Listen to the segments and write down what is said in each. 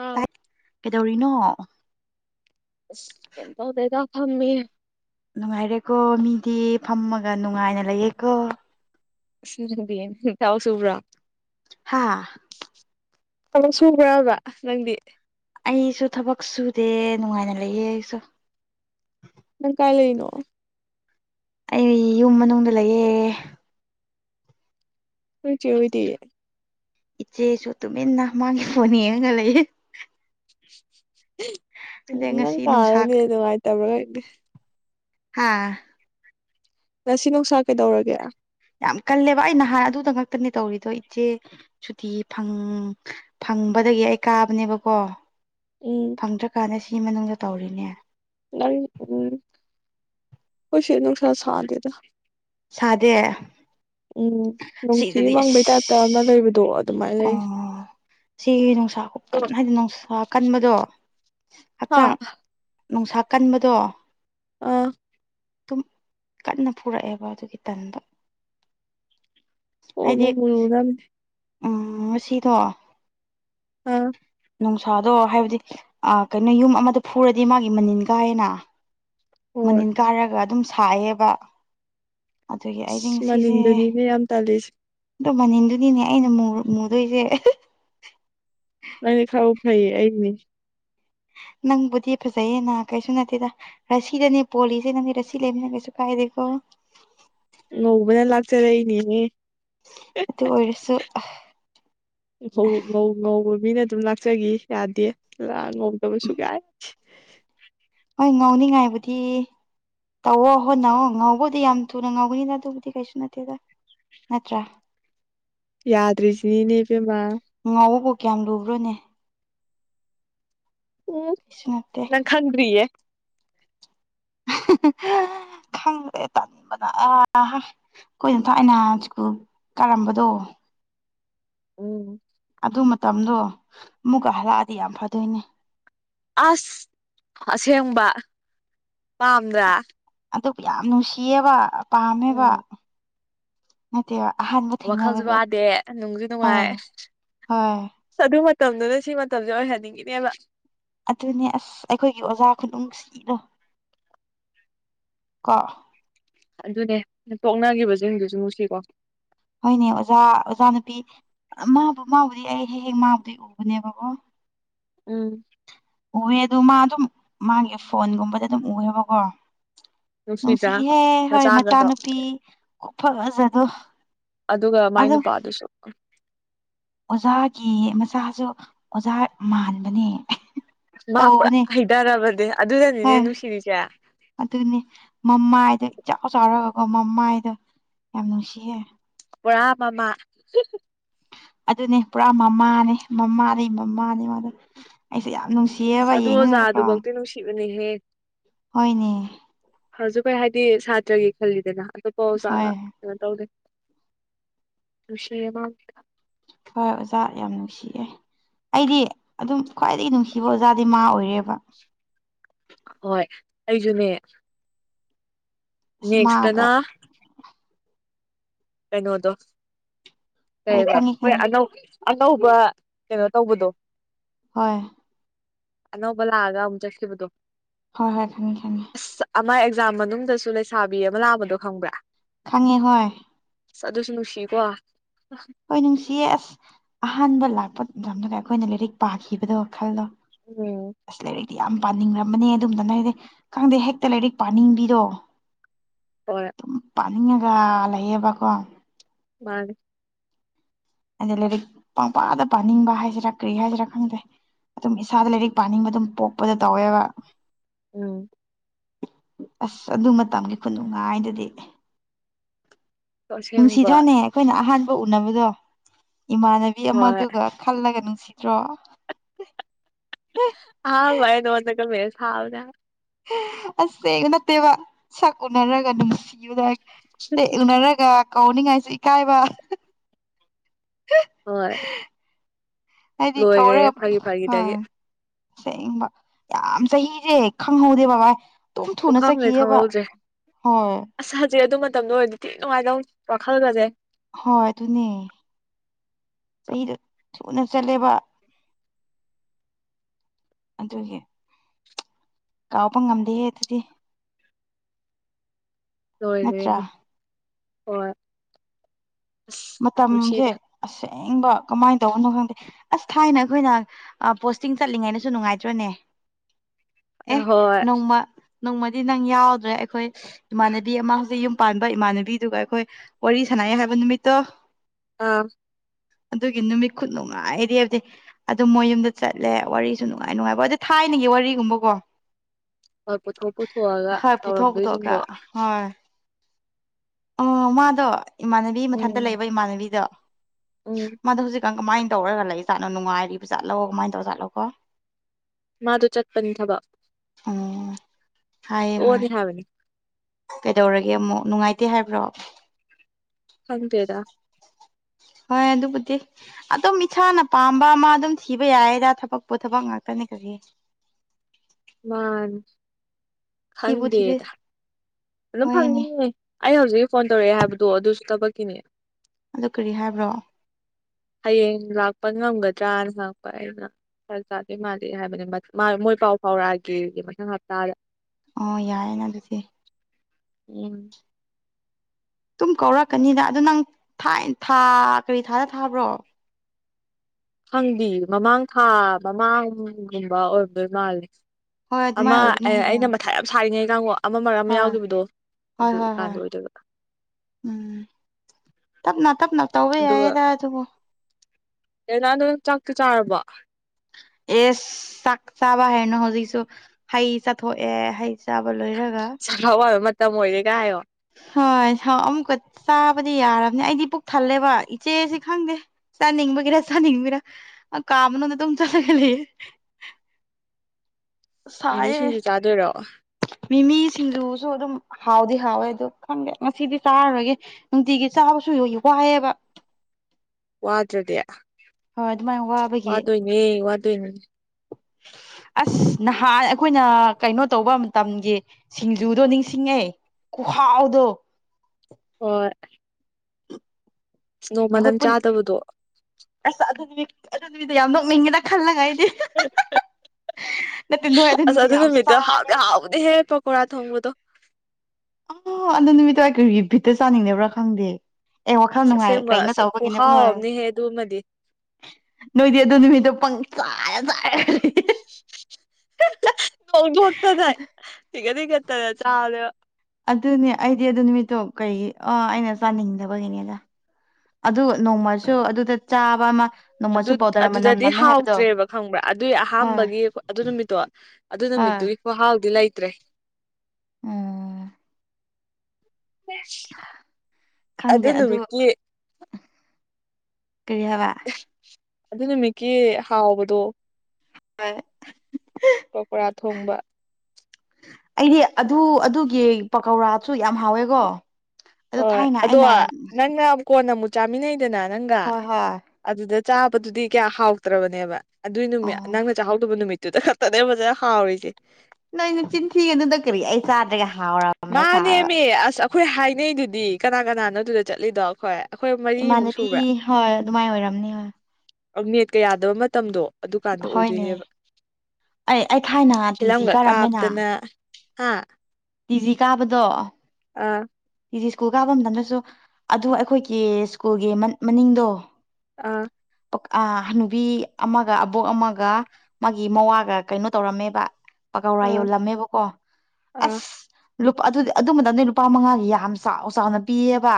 ꯑꯥꯎ ꯇꯥꯏ ꯀꯩꯗꯧꯔꯤꯅꯣ ꯀꯇꯗꯗ ꯐꯝꯃꯤ ꯅꯨꯡꯉꯥꯏꯔꯦꯀꯣ ꯃꯤꯗꯤ ꯐꯝꯃꯒ ꯅꯨꯡꯉꯥꯏꯅ ꯂꯩꯌꯦꯦꯀꯣ ꯎ ꯌꯥꯥꯎꯁꯨꯨꯕ꯭ꯔꯥ ꯍꯥꯥ ꯊꯕꯛ ꯁꯨꯈ꯭ꯔꯕ ꯅꯪꯗꯤ ꯑꯩꯁꯨ ꯊꯕꯛ ꯁꯨꯗꯦ ꯅꯨꯡꯉꯥꯏꯅ ꯂꯩꯌꯦ ꯑꯩꯁꯨ ꯅꯪ ꯀꯥꯏ ꯂꯩꯅꯣ ꯑꯩ ꯌꯨꯝ ꯃꯅꯨꯡꯗ ꯂꯩꯌꯦꯦ ꯍꯧ ꯑꯣꯏꯗꯤ ꯏꯆꯦ ꯁꯠꯇꯨꯃꯦꯟꯅ ꯃꯥꯥꯡꯉꯦ ꯐꯅꯤ ꯉꯦ ꯎꯝ ꯅꯪ ꯉꯁꯤ ꯅꯨꯡꯁꯥ ꯀꯥꯂꯗꯤ ꯅꯨꯡꯉꯥꯏꯇꯕ꯭ꯔꯥ ꯍꯥꯥ ꯉꯁꯤ ꯅꯨꯡꯁꯥ ꯀꯩꯗꯧꯔꯒꯦ ꯌꯥꯝ ꯀꯜꯂꯦꯕ ꯑꯩ ꯅꯍꯥꯟ ꯑꯗꯨꯗ ꯉꯛꯇꯅꯦ ꯇꯧꯔꯤꯗꯣ ꯏꯆꯦ ꯁꯨꯇꯤꯪꯪ ꯀꯗꯒꯤ ꯑꯩ ꯀꯥꯕꯅꯦꯕꯀꯣ ꯎꯝ ꯐꯪꯗ꯭ꯔꯀꯥꯟꯗ ꯁꯤ ꯃꯅꯨꯡꯗ ꯇꯧꯔꯤꯅꯦ ꯃꯥ ꯎꯝ ꯈꯨꯁꯤ ꯅꯁꯥ ꯁꯥꯗꯗ ꯁꯥꯗꯦ ꯎꯝ ꯅꯨꯡꯇꯤ ꯁꯤꯗꯗꯤ ꯃꯪꯕꯩ ꯇꯥꯏꯞꯇ ꯑꯃ ꯑꯁ ꯂꯩꯕꯗꯣ ꯑꯗꯨꯃꯥꯏꯅ ꯂꯩ ꯁꯤ ꯅꯨꯡꯁꯥ ꯀꯣꯛ ꯀꯟ ꯍꯥꯏꯗꯤ ꯅꯨꯡꯁꯥ ꯀꯟꯕꯗꯣ ꯑꯥ ꯍꯛꯆꯥꯡ ꯅꯨꯡꯁꯥ ꯀꯟꯕꯗꯣ ꯑꯥ ꯑꯗꯨꯝ ꯀꯟꯅ ꯐꯨꯔꯛꯑꯦꯕ ꯑꯗꯨꯒꯤ ꯇꯟꯗꯣ ꯑꯣꯅ ꯃꯗ ꯎꯝ ꯉꯁꯤꯗꯣ ꯑꯝ ꯅꯨꯡꯁꯥꯗꯣ ꯍꯥꯏꯕꯗꯤ ꯑ ꯀꯩꯅꯣ ꯌꯨꯝ ꯑꯃꯗ ꯐꯨꯔꯗꯤ ꯃꯥꯒꯤ ꯃꯅꯤꯟ ꯀꯥꯏꯌꯦꯅ ꯍꯣꯏ ꯃꯅꯤꯟ ꯀꯥꯔꯒ ꯑꯗꯨꯝ ꯁꯥꯏꯌꯦꯕ ꯑꯗꯨꯒꯤ ꯑꯩꯗꯤ ꯑꯁ ꯉꯁꯤꯁꯦ ꯃꯅꯤꯟꯗꯨꯅꯤꯅꯦ ꯌꯥꯝ ꯇꯜꯂꯤꯁꯦ ꯑꯗꯨꯣ ꯃꯅꯤꯟꯗꯨꯅꯤꯅꯦ ꯑꯩꯅ ꯃꯨꯗꯣꯏꯁꯦ ꯑꯗꯤ ꯈꯥꯎ ꯐꯩꯌꯦ ꯑꯩꯅꯤ ꯅꯪꯕꯨꯗꯤ ꯐꯖꯩꯌꯦꯅꯥ ꯀꯩꯁꯨ ꯅꯠꯇꯦꯗ ꯔꯁꯤꯗꯅꯦ ꯄꯣꯜꯂꯤꯁꯤꯅꯅꯦ ꯔꯁꯤ ꯂꯩꯕꯅ ꯀꯩꯁꯨ ꯀꯥꯏꯗꯦꯀꯣ ꯉꯧꯕꯅ ꯂꯥꯛꯆꯔꯛꯏꯅꯦꯍꯦ ꯑꯗꯨ ꯑꯣꯏꯔꯁꯨ ꯉꯧꯕ ꯃꯤꯅ ꯑꯗꯨꯝ ꯂꯥꯛꯆꯈꯤ ꯌꯥꯗꯦ ꯂ ꯉꯧꯗꯕꯁꯨ ꯌꯥꯏ ꯍꯣꯏ ꯉꯧꯅꯤꯉꯥꯏꯕꯨꯗꯤ ꯇꯧꯋꯣ ꯍꯣꯠꯅꯑꯣ ꯉꯧꯕꯕꯨꯗꯤ ꯌꯥꯝ ꯊꯨꯅ ꯉꯥꯎꯒꯅꯤꯅ ꯑꯗꯨꯕꯨꯗꯤ ꯀꯩꯁꯨ ꯅꯠꯇꯦꯗ ꯅꯠꯇ꯭ꯔ ꯌꯥꯗ꯭ꯔꯤꯁꯤꯅꯤꯅꯦꯕꯦꯝꯃ ꯉꯧꯕꯕꯨ ꯀꯌꯥꯝ ꯂꯨꯕ꯭ꯔꯣꯅꯦ ꯎꯝ ꯀꯩꯁꯨ ꯅꯠꯇꯦ ꯅꯪ ꯈꯟꯔꯤꯌꯦꯦ ꯈꯥꯡꯂꯦ ꯇꯅꯤ ꯗ ꯑ ꯀꯣꯏꯅꯣ ꯊꯥꯛꯏꯅ ꯁꯀꯨꯜ ꯀꯥꯔꯝꯕꯗꯣ ꯎꯝ ꯑꯗꯨ ꯃꯇꯝꯗꯣ ꯑꯃꯨꯛꯀ ꯍꯜꯂꯛꯑꯗꯤ ꯌꯥꯝ ꯐꯗꯣꯏꯅꯦ ꯑꯁ ꯑꯁꯦꯡꯕ ꯄꯥꯝꯗ꯭ꯔꯥ ꯑꯗꯨꯕꯨ ꯌꯥꯝ ꯅꯨꯡꯁꯤꯌꯦꯕ ꯄꯥꯝꯃꯦꯕ ꯎꯝ ꯅꯠꯇꯦꯕ ꯑꯍꯥꯟꯕ ꯋꯥꯈꯜꯁꯨ ꯊꯦꯡꯅꯕꯗ ꯋꯥꯗꯦ ꯅꯨꯡꯁꯨ ꯅꯨꯡꯉꯥꯏ ꯍꯣꯏ ꯍꯣꯏ ꯑꯗꯨ ꯃꯇꯝꯗꯨꯅ ꯁꯤ ꯃꯇꯝꯁꯦ ꯑꯣꯏꯍꯟꯅꯤꯡꯉꯤꯅꯦꯕ ꯑꯗꯨꯅꯦ ꯑꯁ ꯑꯩꯈꯣꯏꯒꯤ ꯑꯣꯖꯥ ꯈꯨꯅꯨꯡꯁꯤꯗꯣ ꯀ ꯑꯗꯨꯅꯦ ꯇꯣꯛꯅꯈꯤꯕꯁꯤꯡꯗꯨꯁꯨ ꯃꯨꯁꯤꯀꯣ ꯍꯣꯏꯅꯦ ꯑꯣꯖꯥ ꯑꯣꯖꯥ ꯅꯨꯄꯤ ꯃꯥꯕꯨ ꯃꯥꯕꯨꯗꯤ ꯑꯩ ꯍꯦꯛ ꯍꯦꯛ ꯃꯥꯕꯨꯗꯤ ꯎꯕꯅꯦꯕꯀꯣ ꯎꯝ ꯎꯑꯦ ꯑꯗꯨ ꯃꯥ ꯑꯗꯨꯝ ꯃꯥꯒꯤ ꯐꯣꯟꯒꯨꯝꯕꯗ ꯑꯗꯨꯝ ꯎꯑꯦꯕꯀꯣ ꯅꯨꯡꯁꯤꯗ꯭ꯔꯥ ꯅꯨꯡꯁꯤꯍꯦ ꯍꯣꯏ ꯃꯆꯥꯒꯗꯣ ꯃꯆꯥꯅꯨꯄꯤ ꯀꯐꯖꯗꯣ ꯑꯗꯨꯒ ꯃꯥꯏ ꯅꯨꯄꯥꯗꯨꯁꯨ ꯑꯣꯖꯥꯒꯤ ꯃꯆꯥꯁꯨ ꯑꯣꯖꯥ ꯃꯥꯟꯕꯅꯦ ꯃꯍꯥꯛ ꯄꯨꯔꯥ ꯇꯧꯕꯅꯦ ꯍꯩꯊꯔꯕꯅꯦ ꯑꯗꯨꯅꯅꯤꯅꯦ ꯍꯣꯏ ꯅꯨꯡꯁꯤꯔꯤꯁꯦ ꯑꯗꯨꯅꯤ ꯃꯃꯥꯏꯗꯣ ꯏꯆꯥꯎ ꯆꯥꯎꯔꯒꯀꯣ ꯃꯃꯥꯏꯗ ꯌꯥꯝ ꯅꯨꯡꯁꯤꯌꯦ ꯄꫭꯔꯃꯃ ꯑꯗꯨꯅꯦ ꯄꫭꯔꯥ ꯃꯃꯥꯅꯦ ꯃꯃꯥ ꯂꯩ ꯃꯃꯥꯅꯦ ꯃꯥꯗ ꯑꯩꯁꯦ ꯌꯥꯝ ꯅꯨꯡꯁꯤꯌꯦꯕ ꯌꯦꯡꯉꯒꯀꯣ ꯅꯦꯍꯦꯛ ꯍꫭꯏꯅꯦ ꯍꯧꯖꯤꯛ ꯈꫭꯏꯍꯥꯏꯗꯤ ꯁꯥꯇ꯭ꯔꯒꯤ ꯈꯜꯂꯤꯗꯅ ꯑꯇꯣꯞꯄ ꯍꯣꯏ ꯑꯣꯖꯥꯒ ꯀꯩꯅꯣ ꯇꯧꯗꯦ ꯅꯨꯡꯁꯤꯌ‌ꯦꯃꯀꯤꯀ ꯍꯣꯏ ꯑꯣꯖꯥ ꯌꯥꯝ ꯅꯨꯡꯁꯤꯌꯦ ꯑꯩꯗꯤ ꯑꯗꯨꯝ ꯈ꯭ꯋꯥꯏꯗꯒꯤ ꯅꯨꯡꯁꯤꯕ ꯑꯣꯖꯥꯗꯤ ꯃꯥ ꯑꯣꯏꯔꯦꯕ ꯍꯣꯏ ꯑꯩꯖꯨꯅꯦ ꯑꯁ ꯃꯥꯒ ꯅ‌ꯦꯁꯛꯇꯅ ꯀꯩꯅꯣꯗꯣ ꯍꯣꯏ ꯀꯩꯌ‌ꯦꯕ ꯈꯪꯉꯤ ꯑꯈꯣꯏ ꯈꯪꯉꯤ ꯑꯅꯧ ꯑꯅꯧꯕ ꯀꯩꯅꯣ ꯇꯧꯕꯗꯣ ꯍꯣꯏ ꯑꯅꯧꯕꯂ‌ꯑꯒ ꯑꯃꫭꯛ ꯆꯠꯈꯤꯕꯗꫭ ꯍꯣꯏ ꯍꯣꯏ ꯈꯪꯉ‌ꯦ ꯈꯪꯉ‌ꯦ ꯖꯥꯝ ꯃꯅꯨꯡꯗꯁꯨ ꯂꯩꯁꯥꯕꯤ ꯑꯃ ꯂꯥꯛꯑꯝꯕꯗꯣ ꯈꯪꯕ꯭ꯔꯥ ꯈꯪꯉꯦ ꯍꯣꯏ ꯑꯗꯨꯁꯨ ꯅꯨꯡꯁꯤꯀꯣ ꯍꯣꯏ ꯅꯨꯡꯁꯤꯌꯦ ꯑꯁ ꯑꯍꯥꯟꯕ ꯂꯥꯛꯄ ꯃꯇꯝꯗꯨꯗ ꯑꯈꯣꯏꯅ ꯂꯥꯏꯔꯤꯛ ꯄꯥꯈꯤꯕꯗꯣ ꯈꯜꯂꫭ ꯎꯝ ꯌꯥꯝ ꯄꯥꯅꯤꯡꯔꯝꯕꯅꯦ ꯑꯗꯨꯝꯇꯝꯗ ꯍꯥꯏꯗꯤ ꯈꯪꯗꯦ ꯍꯦꯛꯇ ꯂꯥꯏꯔꯤꯛ ꯄꯥꯅꯤꯡꯕꯤꯔꯣ ꯍꯣꯏ ꯅꯤꯡꯉꯒ ꯂꯩꯌꯦꯕꯀꯣ ꯃꯥꯅꯤ ꯑꯗ ꯂꯥꯏꯔꯤꯛ ꯄꯪꯄꯥꯗ ꯄꯥꯅꯤꯡꯕ ꯍꯥꯏꯁꯤꯔ ꯀꯔꯤ ꯍꯥꯏꯁꯤꯔ ꯈꯪꯗꯦ ꯑꯗꯨꯝ ꯏꯁꯥꯗ ꯂꯥꯏꯔꯤꯛ ꯄꯥꯅꯤꯡꯕ ꯑꯗꯨꯝ ꯄꯣꯛꯄꯗ ꯇꯧꯋꯦꯕ ꯎꯝ ꯑꯁ ꯑꯗꯨ ꯃꯇꯝꯒꯤ ꯈꯨꯅꯨꯡꯉꯥꯏꯗꯨꯗꯤ ꯑꯁꯦꯡꯕ ꯅꯨꯡꯁꯤꯗ꯭ꯔꯥꯅꯦ ꯑꯈꯣꯏꯅ ꯑꯍꯥꯟꯕ ꯎꯅꯕꯗꯣ ꯏꯃꯥꯟꯅꯕꯤ ꯍꯣꯏ ꯑꯃꯗꯨꯒ ꯈꯜꯂꯒ ꯁꯤꯗ꯭ꯔꯣ ꯍꯥꯥꯎ ꯏ ꯅ ꯋꯥꯅꯒꯃꯦꯁꯥꯎꯗ ꯑꯁꯦꯡ ꯅꯠꯇꯦꯕ ꯁꯛ ꯎꯅꯔꯒ ꯅꯨꯡꯁꯤꯕꯗꫭ꯫ ꯇ‌ꯦ ꯎꯅꯔꯒ ꯀꯧꯅꯤꯡꯉꯥꯏꯁꯨ ꯏꯀꯥꯏꯕ꯫ ꯍꯣꯏ꯫ ꯍꯥꯏꯗꯤ ꯂꯣꯏꯈ꯭ꯔꯦ ꯀꯧꯔ‌ꯦ ꯐꯥꯒꯤ ꯑ꯫ ꯐꯥꯒꯤꯗꯒꯤ ꯁꯦꯡꯕ ꯌꯥꯝ ꯆꯍꯤꯁꯦ ꯈꯪꯍꯧꯗꯦ ꯕꯕꯥꯏ꯫ ꯑꯗꯨꯨꯝ ꯊꯨꯅ ꯁꯨꯈꯪꯗꯤ ꯆꯠꯈꯤꯌ‌ꯦꯕ ꯈꯪꯍꯧꯗ꯭ꯔꯦ ꯍꯣꯏ꯫ ꯑꯁ ꯍꯧꯖꯤꯛ ꯑꯗꯨ ꯃꯇꯝꯗꯣ ꯑꯣꯏꯔꯗꯤ ꯊꯤ ꯅꯨꯡꯉꯥꯏꯗꯧꯅꯤ ꯋꯥꯈꯜꯒꯁꯦ꯫ ꯍꯣꯏ ꯑꯗꯨꯅꯦ ꯆꯍꯤꯗ ꯊꯨꯅ ꯆꯠꯂꯦꯕ꯫ ꯑꯗꯨꯒꯤ꯫ ꯀꯥꯎꯕ ꯉꯝꯗꯦꯍ‌ꯦ ꯑꯗꯨꯗꯤ꯫ ꯅꯠꯇ꯭ꯔꯥ ꯂꯣꯏꯂꫭꯏꯅꯤ ꯍꯣꯏ꯫ ꯑꯁ ꯃꯇꯝꯁꯦ ꯅꯨꯡꯁꯤꯗ ꯑꯁꯦꯡꯕ꯫ ꯀꯃꯥꯏꯅ ꯇꯧꯕꯅꯣ ꯈꯪꯗꯦ ꯑꯁ ꯊꯥꯏꯅ ꯑꯩꯈꯣꯏꯅ ꯄꯣꯁꯇꯤꯡ ꯆꯠꯂꯤꯉꯩꯗꯁꯨ ꯅꯨꯡꯉꯥꯏꯇ꯭ꯔꯣꯅꯦ꯫ ꯫ ꯑꯦ ꯅꯣꯡꯃ ꯅꯣꯡꯃꯗꯤ ꯅꯪ ꯌꯥꯎꯗ꯭ꯔꯦ ꯑꯩꯈꯣꯏ ꯏꯃꯥꯟꯅꯕꯤ ꯑꯃ ꯍꯧꯖꯤꯛ ꯌꯨꯝ꯫ ꯄꯥꯟꯕ ꯏꯃꯥꯟꯅꯕꯤꯗꯨꯒ ꯑꯩꯈꯣꯏ ꯋꯥꯔꯤ ꯁꯥꯟꯅꯩ ꯍꯥꯏꯕ ꯅꯨꯃꯤꯠꯇꯣ꯫ ꯑꯥ꯫ ꯑꯗꯨꯒꯤ ꯅꯨꯃꯤꯠ ꯈꯨꯠ ꯅꯨꯡꯉꯥꯏꯗꯤ ꯍꯥꯏꯕꯗꯤ ꯑꯗꯨ ꯃꯣꯏ ꯌꯨꯝꯗ ꯆꯠꯂꯦ ꯋꯥꯔꯤꯁꯨ ꯅꯨꯡꯉꯥꯏ ꯅꯨꯡꯉꯥꯏꯕ ꯊ꯫ ꯊꯥꯏꯅꯒꯤ ꯋꯥꯔꯤꯒꯨꯝꯕꯀꯣ꯫ ꯍꯣꯏ ꯄꯨꯊꯣꯛ ꯄꯨꯊꯣꯛꯑꯒ ꯍꯣꯏ ꯄꯨꯊꯣꯛ ꯄꯨꯊꯣꯛ ꯀ ꯇꯧꯔꯝꯗꯣꯏꯁꯤꯡꯗꯣ ꯍꯣꯏ ꯑꯣ ꯃꯥꯗꯣ ꯏꯃꯥꯟꯅꯕꯤ ꯃꯊ ꯂꯩ ꯎꯝ ꯏꯃꯥꯟꯅꯕꯤꯗꯣ ꯎꯝ ꯍꯧꯖꯤꯛ ꯀꯃꯥꯏꯅ ꯇꯧꯔꯒ ꯂꯩ ꯆꯥꯠꯅꯣ ꯅꯨꯡꯉꯥꯏꯔꯤꯕ ꯆꯥꯠꯂꯣ ꯀꯃꯥꯏ ꯇꯧ ꯆꯥꯠꯂꯣꯀꯣ ꯃꯥꯗꯨ ꯆꯠꯄꯅꯤ ꯊꯕꯛ ꯎꯝ ꯍꯥꯏꯌꯦ ꯍꯣꯏ ꯑꯣꯅꯤ ꯍꯥꯏꯕꯅꯤ ꯀꯩꯗꯧꯔꯒꯦ ꯑꯃꯨꯛ ꯅꯨꯡꯉꯥꯏꯇꯦ ꯍꯥꯏꯕ꯭ꯔꯣ ꯐꯪꯗꯦꯗ ꯍꯣꯏ ꯑꯗꯨꯕꯨꯗꯤ ꯑꯗꯨꯝ ꯏꯁꯥꯅ ꯄꯥꯝꯕ ꯑꯃ ꯑꯗꯨꯝ ꯊꯤꯕ ꯌꯥꯏꯗ ꯊꯕꯛꯄꯨ ꯊꯕꯛ ꯉꯥꯛꯇꯅꯤ ꯀꯒꯤ ꯃꯥ ꯊꯤꯕꯨ ꯊꯤꯔꯦ ꯈꯒꯦꯗ ꯑꯗꯨꯝ ꯍꯣꯏꯅꯦ ꯐꯪꯅꯤ ꯑꯩ ꯍꯧꯖꯤꯛꯀꯤ ꯐꯣꯟ ꯇꯧꯔꯛꯑꯦ ꯍꯥꯏꯕꯗꯣ ꯑꯗꯨꯁꯨ ꯊꯕꯛꯀꯤꯅꯦ ꯑꯗꯨ ꯀꯔꯤ ꯍꯥꯏꯕ꯭ꯔꯣ ꯍꯌꯦꯡ ꯂꯥꯛꯄ ꯉꯝꯒꯗ꯭ꯔꯥꯅ ꯍꯥꯛꯄ ꯑꯩꯅ ꯆꯔ ꯆꯥꯗꯦ ꯃꯥꯗꯦ ꯍꯥꯏꯕꯅꯤ ꯃꯣꯏ ꯄꯥꯎ ꯐꯥꯎꯔꯛꯑꯒꯦ ꯃꯊꯪ ꯍꯞꯇꯥꯗ ꯑꯣ ꯌꯥꯏꯦꯅꯦ ꯑꯗꯨꯗꯤ ꯎꯝ ꯇꯨꯝ ꯀꯧꯔꯛꯀꯅꯤꯅ ꯑꯗꯨ ꯅꯪꯥꯏ ꯊꯥ ꯀꯔꯤ ꯊꯥꯗ ꯊꯥꯕ꯭ꯔꯣ ꯍꯪꯕꯤ ꯃꯃꯥꯡ ꯊꯥ ꯃꯃꯥꯡꯒꯨꯝꯕ ꯑꯣꯏꯔꯝꯗꯣꯏ ꯃꯥꯜꯂꯦ ꯍꯣꯏ ꯑꯃ ꯑꯗꯨꯃꯥꯏꯅ ꯑꯣꯏꯕꯅꯦ ꯑꯦ ꯍꯥꯏꯗ ꯑꯩꯅ ꯃꯊꯥ ꯌꯥꯝ ꯁꯥꯔꯤꯉꯩ ꯀꯥꯡꯕꯨ ꯑꯃ ꯃꯔꯛ ꯑꯃ ꯍꯣꯏ ꯌꯥꯎꯈꯤꯕꯗꯣ ꯍꯣꯏ ꯑꯗꯨ ꯍꯣꯏ ꯀꯥꯟꯗ ꯍꯣꯏ ꯑꯣꯏꯗꯕ ꯎꯝ ꯇꯞꯅ ꯇꯞꯅ ꯇꯧꯕ ꯌꯥꯏꯌꯦꯗ ꯑꯗꯨꯕꯨ ꯑꯦ ꯅꯍꯥꯟ ꯑꯗꯨꯝ ꯆꯥꯛꯇꯤ ꯆꯥꯔꯕ ꯑꯦꯁ ꯆꯥꯛ ꯆꯥꯕ ꯍꯥꯏꯅꯣ ꯍꯧꯖꯤꯛꯁꯨ ꯍꯩ ꯆꯥꯊꯣꯛꯑꯦ ꯍꯩ ꯆꯥꯕ ꯂꯣꯏꯔꯒ ꯃꯣꯏꯦ ꯀꯥꯏ ꯍꯣ ꯍꯣꯏ ꯑꯃꯨꯛꯀ ꯆꯥꯕꯗꯤ ꯌꯥꯔꯕꯅꯤ ꯑꯩꯗꯤ ꯄꯨꯛ ꯊꯜꯂꯦꯕ ꯏꯆꯦꯁꯤ ꯈꯪꯗꯦ ꯆꯥꯅꯤꯡ ꯦꯔꯅꯤ ꯃꯔ ꯀꯥꯃꯅꯣꯅꯦ ꯇꯝ ꯆ ꯂꯩ ꯅꯨꯃꯤꯁꯤꯡꯁꯨ ꯆꯥꯗꯣꯏꯔꯣꯑꯣ ꯃꯤꯃꯤꯁꯤꯡꯗꯨꯁꯨ ꯑꯗꯨꯝ ꯍꯥꯎꯗꯤ ꯍꯥꯎꯋꯦ ꯑꯗꯨ ꯈꯪꯗꯦ ꯉꯁꯤꯗꯤ ꯆꯥꯔꯔꯣꯏꯒꯦ ꯅꯨꯡꯇꯤꯒꯤ ꯆꯥꯕ ꯁꯨ ꯌꯣꯛꯏꯀꯣ ꯍꯥꯏꯌꯦꯕ [inaudible] ꯋ꯭ꯗꯔ꯭ꯗꯤ ꯍꯣꯏ ꯑꯗꯨꯃꯥꯏꯅ ꯋꯥꯕꯒꯤ ꯋꯥꯗꯣꯏꯅꯦ ꯋꯥꯗꯣꯏꯅꯦ ꯑꯁ ꯅꯍꯥꯟ ꯑꯩꯈꯣꯏꯅ ꯀꯩꯅꯣ ꯇꯧꯕ ꯃꯇꯝꯒꯤ ꯁꯤꯡꯖꯨꯗꯣ ꯅꯤꯡꯁꯤꯡꯉꯦ ꯈꯨꯍꯥꯎꯗꯣ ꯍꯣꯏ ꯑꯁ ꯅꯣꯡꯃ ꯑꯩꯈꯣꯏ ꯅꯪ ꯄꯨ ꯆꯥꯗꯕꯗꯣ ꯑꯁ ꯑꯗꯨ ꯑꯗꯨꯗꯨꯗꯤ ꯌꯥꯝ ꯅꯣꯛꯅꯤꯡꯉꯦꯅ ꯈꯜꯂꯒ ꯑꯩ ꯎꯝ ꯅꯠꯇꯦ ꯅꯣꯏ ꯎꯝ ꯑꯁ ꯅꯨꯃꯤꯠꯇ ꯑꯗꯨ ꯌꯥꯝ ꯅꯨꯃꯤꯠꯇꯣ ꯍꯥꯎꯗꯤ ꯆꯥꯏꯌꯦ ꯍꯥꯎꯕꯅꯤꯍꯦ ꯄꯥꯀꯥꯎꯔꯥ ꯊꯣꯡꯕꯗꯣ ꯑ ꯑꯗ ꯅꯨꯃꯤꯠꯇꯨ ꯑꯩ ꯀꯔꯤ ꯕꯤꯠꯇ ꯆꯥꯅꯤꯡꯗꯕ꯭ꯔꯥ ꯈꯪꯗꯦ ꯑꯦ ꯋꯥꯈꯜ ꯑꯁ ꯅꯨꯡꯉꯥꯏ ꯑꯁꯦꯡꯕ ꯀꯩꯅꯣ ꯑꯁ ꯇꯧꯕꯒꯤꯅꯦꯕ ꯈꯨꯍꯥꯎ ꯍꯣꯏ ꯑꯃꯅꯦꯍꯦ ꯑꯗꯨꯃꯗꯤ ꯅꯣꯏꯗꯤ ꯑꯗꯨ ꯅꯨꯃꯤꯠꯇꯣ ꯄꯪ ꯆꯥꯏꯗ ꯆꯥꯏ ꯍꯣꯛ ꯇ ꯊꯥꯏ ꯊꯀ ꯊ ꯀ [inaudible] ꯇ ꯆꯥꯂ [inaudible] ꯑꯗꯨꯅꯦ ꯑꯩꯗꯤ ꯑꯗꯨ ꯅꯨꯃꯤꯠꯇꯣ ꯀꯩ ꯑꯩꯅ ꯆꯥꯅꯤꯡꯗꯕꯒꯤꯅꯦꯗ ꯑꯗꯨ ꯅꯣꯡꯃꯁꯨ ꯑꯗꯨꯗ ꯆꯥꯕ ꯑꯃ ꯅꯣꯡꯃꯁꯨ ꯄꯥꯎꯗꯔ ꯃꯅꯝ ꯑꯗꯨꯗꯗꯤ ꯅꯝꯃꯦ ꯍꯥꯏꯕꯗꯣ ꯍꯥꯎꯇ꯭ꯔꯦꯕ ꯈꯪꯕ꯭ꯔꯥ ꯑꯗꯨꯏ ꯍꯣꯏ ꯑꯍꯥꯥꯟꯕꯒꯤ ꯑꯗꯨ ꯅꯨꯃꯤꯠꯇꯣ ꯑꯗꯨ ꯅꯨ ꯍꯣꯏ ꯅꯨꯃꯤꯠꯇꯨꯒꯤ ꯃꯍꯥꯎꯗꯨꯗꯤ ꯂꯩꯇ꯭ꯔꯦ ꯎꯝ ꯑꯗꯨ ꯅꯨꯃꯤꯠꯀꯤ ꯀꯔꯤ ꯍꯥꯏꯕ ꯑꯗꯨ ꯅꯨꯃꯤꯠꯀꯤ ꯍꯥꯎꯕꯗꯣ ꯍꯣꯏ ꯄꯀꯥꯎꯔꯥ ꯊꯣꯡꯕ ꯑꯩꯗꯤ ꯑꯗꯨ ꯑꯗꯨꯒꯤ ꯄꯀꯧꯔꯥꯁꯨ ꯌꯥꯝ ꯍꯥꯎꯋꯦꯀꯣ ꯑꯗꯨ ꯍꯣꯏ ꯊꯥꯏꯅ ꯑꯗꯣ ꯑꯩꯅ ꯅꯪꯅ ꯀꯣꯟꯅ ꯆꯥꯃꯤꯟꯅꯩꯗꯅ ꯅꯪꯒ ꯍꯣꯏ ꯍꯣꯏ ꯑꯗꯨꯗ ꯆꯥꯕꯗꯨꯗꯤ ꯀꯌꯥ ꯍꯥꯎꯇ꯭ꯔꯕꯅꯦꯕ ꯑꯗꯨꯏ ꯅꯨꯃꯤꯠ ꯑꯣ ꯅꯪꯅ ꯆꯥꯛꯍꯧꯗꯕ ꯅꯨꯃꯤꯠꯇꯨꯗ ꯈꯛꯇꯅꯦ ꯐꯖꯅ ꯍꯥꯎꯔꯤꯁꯦ ꯅꯣꯏꯅ ꯆꯤꯟꯊꯤꯒ ꯑꯗꯨꯗ ꯀꯔꯤ ꯑꯩ ꯆꯥꯗ꯭ꯔꯒ ꯍꯥꯎꯔꯕ ꯑꯃꯅ ꯁꯥꯔꯒ ꯃꯥꯅꯦꯃꯤ ꯑꯁ ꯑꯩꯈꯣꯏ ꯍꯥꯏꯅꯩꯗꯨꯗꯤ ꯀꯅꯥ ꯀꯅꯥꯅꯣꯗꯨꯗ ꯆꯠꯂꯤꯗꯣ ꯑꯩꯈꯣꯏ ꯑꯩꯈꯣꯏ ꯃꯔꯤꯃꯨꯛ ꯏꯃꯥꯟꯅꯕꯤ ꯁꯨꯕ꯭ꯔꯥ ꯍꯣꯏ ꯑꯗꯨꯃꯥꯏꯅ ꯑꯣꯏꯔꯝꯅꯤ ꯍꯣꯏ ꯅꯦꯠꯀ ꯌꯥꯗꯕ ꯃꯇꯝꯗꯣ ꯑꯗꯨꯀꯥꯟꯗ ꯍꯣꯏꯅꯦ ꯑꯣꯏꯗꯣꯏꯅꯦꯕ ꯑꯩ ꯑꯩ ꯊꯥꯏꯅ ꯇꯤꯖꯤ ꯐꯤꯂꯥꯝꯒ ꯀꯥꯔꯝꯃꯦꯅ ꯀꯥꯞꯇꯅ ꯍꯥꯥ ꯇꯤꯖꯤ ꯀꯥꯕꯗꯣ ꯇꯤꯖꯤ ꯁ꯭ꯀꯨꯜ ꯀꯥꯕ ꯃꯇꯝꯗꯁꯨ ꯑꯗꯨ ꯑꯩꯈꯣꯏꯒꯤ ꯁ꯭ꯀꯨꯜꯒꯤ ꯃꯅꯤꯡꯗꯣ ꯑꯥ ꯑ ꯍꯅꯨꯕꯤ ꯑꯃꯒ ꯑꯕꯣꯛ ꯑꯃꯒ ꯃꯥꯒꯤ ꯃꯋꯥꯒ ꯀꯩꯅꯣ ꯇꯧꯔꯝꯃꯦꯕ ꯄꯀꯧꯔꯥ ꯑꯥ ꯌꯣꯜꯂꯝꯃꯦꯕꯀꯣ ꯑꯥ ꯑꯁ ꯑꯗꯨꯗꯤ ꯑꯗꯨ ꯃꯇꯝꯗ ꯂꯨꯄꯥ ꯃꯉꯥꯒꯤ ꯌꯥꯝ ꯌꯥꯝ ꯆꯥꯎ ꯆꯥꯎꯅ ꯄꯤꯌꯦꯕ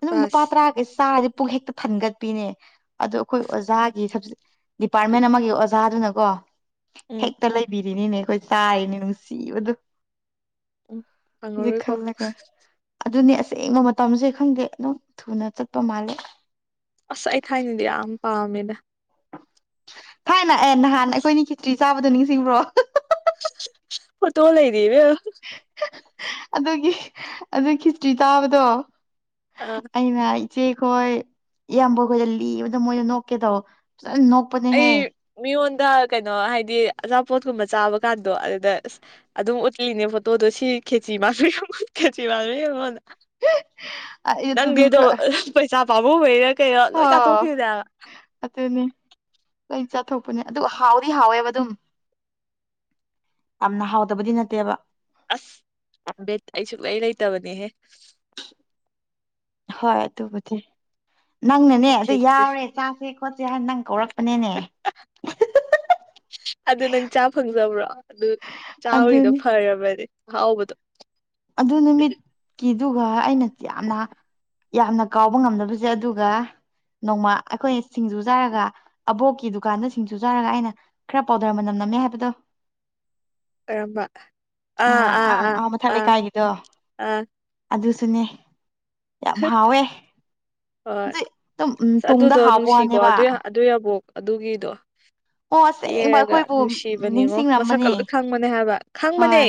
ꯑꯗꯨꯝ ꯂꯨꯄꯥ ꯇꯔꯥꯒꯤ ꯆꯥ ꯄꯨꯛ ꯍꯦꯛꯇ ꯊꯟꯒꯠꯄꯤꯅꯦ ꯑꯗꯣ ꯑꯩꯈꯣꯏ ꯑꯣꯖꯥꯒꯤ ꯗꯤꯄꯥꯔꯠꯃꯦꯟ ꯑꯃꯒꯤ ꯑꯣꯖꯥꯗꯨꯅꯀꯣ ꯎꯝ ꯍꯦꯛꯇ ꯂꯩꯕꯤꯔꯤꯅꯤꯅꯦ ꯑꯩꯈꯣꯢ ꯑꯗꯨꯝ ꯆꯔꯤꯅꯦ ꯅꯨꯡꯁꯤꯕꯅꯦ ꯑꯝ ꯐꯥꯡꯉꯥꯂꯣꯢ ꯀꯣ ꯑꯗꯨꯅꯤ ꯑꯁꯦꯡꯕ ꯃꯇꯝꯁꯨꯦ ꯈꯪꯗꯦ ꯑꯗꯨꯝ ꯊꯨꯅ ꯆꯠꯄ ꯃꯥꯜꯂꯦ ꯑꯁ ꯑꯩ ꯊꯥꯏꯅꯗꯤ ꯌꯥꯝ ꯄꯥꯝꯃꯦꯗ ꯊꯥꯏꯅ ꯑꯦ ꯅꯍꯥꯟ ꯑꯁ ꯑꯩꯈꯣꯏꯅꯤ ꯈꯦꯆꯔꯤ ꯆꯥꯕꯗꯣ ꯅꯤꯡꯁꯤꯡꯕ꯭ꯔꯣ ꯐꯣꯇꯣ ꯂꯩꯔꯤ ꯏꯕꯦꯝꯃꯥ ꯑꯗꯨꯒꯤ ꯑꯗꯨꯒꯤ ꯈꯦꯆꯔꯤ ꯆꯕꯗꯣ ꯑꯥ ꯑꯩꯅ ꯢꯆꯦꯈꯣꯏ ꯏꯌꯥꯝꯕꯈꯣꯏꯗ ꯂꯤꯕꯗ ꯃꯣꯏꯗ ꯅꯣꯛꯀꯦ ꯇꯧꯕꯅꯦ ꯑꯩ ꯃꯤꯉꯣꯟꯗ ꯀꯩꯅꯣ ꯍꯥꯏꯗꯤ ꯑꯆꯥꯄꯣꯠꯀꯨꯝꯕ ꯆꯥꯕ ꯀꯥꯟꯗꯣ ꯑꯗꯨꯗ ꯑꯁ ꯑꯗꯨꯝ ꯎꯠꯂꯤꯅꯦ ꯐꯣꯇꯣꯗꯣ ꯁꯤ ꯈꯦꯆꯤ ꯃꯥꯟꯕꯤ ꯈꯦꯆꯤ ꯃꯥꯟꯕꯤ ꯌꯦꯡꯉꯣꯟꯗ [unintelligible] ꯑꯩ [inaudible] ꯑꯗꯨ ꯅꯪꯒꯤꯗꯣ ꯅꯨꯃꯤꯠꯁꯨ ꯄꯩꯁꯥ ꯄꯥꯕꯨꯡ ꯍꯩꯔ ꯀꯩꯔꯣ ꯂꯣꯏ ꯆꯥꯊꯣꯛꯈꯤꯕꯅꯦꯕ ꯑꯅꯤ ꯀꯔꯤ ꯆꯥꯊꯣꯛꯄꯅꯦ ꯑꯗꯨꯒ ꯍꯥꯎꯗꯤ ꯍꯥꯎꯋꯦꯕ ꯑꯗꯨꯝ ꯌꯥꯝꯅ ꯍꯥꯎꯗꯕꯗꯤ ꯅꯠꯇꯦꯕ ꯇꯕꯅꯤꯍꯦ ꯍꯣꯏ ꯑꯗꯨꯕꯨꯗꯤ ꯅꯪꯅꯅꯦ ꯑꯗꯨ ꯈꯦꯆꯤ ꯌꯥꯎꯔꯦ ꯆꯥꯁꯦ ꯈꯣꯠꯁꯦ ꯍꯥꯏꯅ ꯅꯪ ꯔꯛꯄꯅꯦꯅꯦ ꯑꯗꯨ ꯅꯪ ꯆꯥ ꯐꯪꯖꯕ꯭ꯔꯣ ꯑꯗꯨ ꯆꯥ ꯍꯔꯤꯗꯣ ꯑꯗꯨꯅꯤ ꯐꯔꯕꯅꯦ ꯍꯥꯎꯕꯗꯨ ꯑꯗꯨ ꯅꯨꯃꯤꯠꯀꯤꯗꯨꯒ ꯑꯩꯅ ꯌꯥꯝꯅ ꯌꯥꯝꯅ ꯀꯥꯎꯕ ꯉꯝꯗꯅꯕꯁꯦ ꯑꯗꯨꯒ ꯅꯣꯡꯃ ꯑꯩꯈꯣꯏꯅ ꯁꯤꯡꯖꯨ ꯆꯥꯔꯒ ꯑꯕꯣꯛꯀꯤ ꯗꯨꯀꯥꯟꯗ ꯁꯤꯡꯖꯨ ꯆꯥꯔꯒ ꯑꯩꯅ ꯈꯔ ꯄꯥꯎꯗꯔ ꯃꯅꯝ ꯅꯝꯃꯦ ꯍꯥꯏꯦꯕꯗꯣ ꯔꯝꯕ ꯑꯥ ꯑꯥ ꯑꯥ ꯑꯥ ꯗꯣ ꯑꯥ ꯑꯗꯨꯁꯨꯅꯦ ꯌꯥꯝ ꯍꯥꯎꯋꯦ ꯍꯣꯏ ꯑ ꯑꯗꯨ ꯑꯗꯨꯝ ꯎꯝ ꯇꯨꯡꯗ ꯑꯗꯨꯗꯣ ꯍꯥꯎꯕ ꯅꯨꯡꯁꯤꯀꯣ ꯋꯥꯅꯦꯕ ꯑꯗꯨ ꯑꯗꯨ ꯌꯥꯕꯣꯛ ꯑꯗꯨꯒꯤꯗꯣ ꯑꯣ ꯑꯁꯦꯡꯕ ꯇꯦꯔꯒ ꯑꯩꯈꯣꯏꯕꯨ ꯅꯨꯡꯁꯤꯕꯅꯦꯉꯣ ꯃꯁꯛꯀ ꯅꯤꯡꯁꯤꯡꯔꯝꯃꯅꯤ ꯂꯣꯏ ꯈꯪꯕꯅꯦ ꯍꯥꯏꯕ ꯈꯪꯕꯅꯦ ꯍꯣꯏ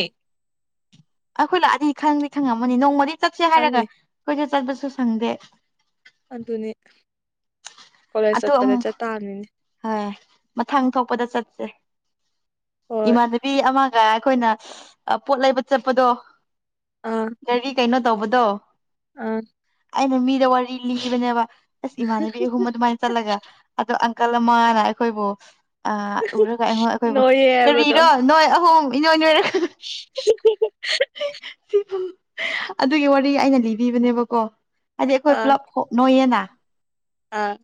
ꯑꯩꯈꯣꯏ ꯂꯥꯛꯑꯗꯤ ꯈꯪꯗꯤ ꯈꯪꯉꯝꯃꯅꯤ ꯅꯣꯡꯃꯗꯤ ꯆꯠꯁꯦ ꯈꯪꯅꯤ ꯍꯥꯏꯔꯒ ꯑꯩꯈꯣꯏꯁꯨ ꯆꯠꯄꯁꯨ ꯁꯪꯗꯦ ꯑꯗꯨꯅꯤ ꯀꯣꯂꯦꯖ ꯑꯇꯣ ꯆꯠꯄꯗ ꯑꯃꯨꯛ ꯆꯠꯇꯥꯥꯔꯅꯤꯅꯦ ꯍꯣꯏ ꯃꯊꯪ ꯊꯣꯛꯄꯗ ꯆꯠꯁꯦ ꯍꯣꯏ ꯏꯃꯥꯟꯅꯕꯤ ꯑꯃ ꯑꯩꯈꯣꯏꯅ ꯄꯣꯠ ꯂꯩꯕ ꯆꯠꯄꯗꯣ ꯒꯥꯔꯤ ꯀꯩꯅꯣ ꯇꯧꯕꯗꯣ ꯑ ꯑꯩꯅ ꯃꯤꯗ ꯋꯥꯔꯤ ꯂꯤꯈꯤꯕꯅꯦꯕ ꯑꯁ ꯏꯃꯥꯟꯅꯕꯤ ꯑꯍꯨꯝ ꯑꯗꯨꯃꯥꯏꯅ ꯆꯠꯂꯒ ꯑꯗꯣ ꯀꯜ ꯑꯃꯥꯅ ꯑꯩꯈꯣꯏꯕꯨ ꯑꯥ ꯎꯔꯒ ꯑꯩꯉꯣ ꯑꯩꯈꯣꯏꯕꯨ ꯅꯣꯏꯌꯦ ꯍꯥꯏꯕꯗꯣ ꯀꯔꯤꯔꯣ ꯅꯣꯏ ꯑꯍꯨꯝ ꯏꯅꯣꯏ ꯅꯣꯏꯔ [unintelligible] ꯑꯗꯨꯒꯤ ꯋꯥꯔꯤ ꯑꯩꯅ ꯂꯤꯕꯤꯕꯅꯦꯕꯀꯣ ꯍꯥꯏꯗꯤ ꯑꯩꯈꯣꯏ ꯑꯥ ꯄꯨꯂꯞ ꯍꯣꯅꯣꯏꯌꯦꯅ ꯑꯥ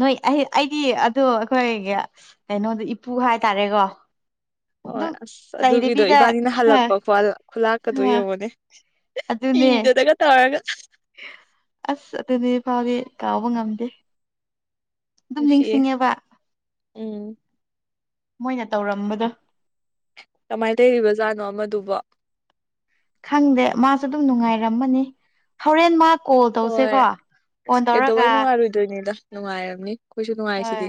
ꯅꯣꯏ ꯑꯩ ꯑꯩꯗꯤ ꯑꯗꯨ ꯑꯩꯈꯣꯏꯒꯤ ꯀꯩꯅꯣꯗ ꯏꯄꯨ ꯍꯥꯏꯇꯥꯔꯦꯀꯣ ꯍꯣꯏ ꯑꯗꯨꯝ ꯑꯁ ꯑꯗꯨꯒꯤꯗꯣ ꯆꯩꯗꯕꯤꯗ ꯏꯕꯥꯅꯤꯅ ꯍꯥ ꯍꯜꯂꯛꯄ ꯈꯨꯠꯂꯥꯛꯀꯗꯣ ꯍꯥ ꯌꯦꯡꯉꯣꯅꯦ ꯑꯗꯨꯅꯦ ꯏꯖꯗꯒ ꯇꯥꯒ ꯑꯁ ꯑꯗꯨꯅꯦ ꯐꯥꯎꯗꯤ ꯀꯥꯎꯕ ꯉꯝꯗꯦ ꯑꯗꯨꯝ ꯅꯨꯡꯁꯤꯌꯦ ꯅꯤꯡꯁꯤꯡꯉꯦꯕ ꯎꯝ ꯃꯣꯏꯅ ꯇꯧꯔꯝꯕꯗꯣ ꯀꯃꯥꯏꯅ ꯂꯩꯔꯤꯕꯖꯥꯠꯅꯣ ꯑꯃꯗꯨꯕ ꯈꯪꯗꯦ ꯃꯥꯁꯨ ꯑꯗꯨꯝ ꯅꯨꯡꯉꯥꯏꯔꯝꯃꯅꯤ ꯍꯣꯔꯦꯟ ꯃꯥ ꯀꯣꯜ ꯍꯣꯏ ꯇꯧꯁꯦꯀꯣ ꯐꯣꯟ ꯑꯁ ꯇꯧꯔꯒ ꯀꯩꯗꯧꯕꯩ ꯅꯨꯡꯉꯥꯏꯔꯣꯏꯗꯣꯏꯅꯤꯗ ꯅꯨꯡꯉꯥꯏꯔꯝꯅꯤ ꯑꯩꯈꯣꯏꯁꯨ ꯅꯨꯡꯉꯥꯏꯁꯤꯗꯤ ꯍꯣꯏ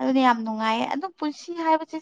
ꯑꯗꯨꯗꯤ ꯌꯥꯝ ꯅꯨꯡꯉꯥꯏꯌꯦ ꯑꯗꯨ ꯄꯨꯟꯁꯤ ꯍꯥꯏꯕꯁꯦ